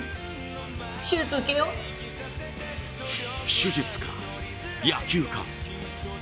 手術か、野球か。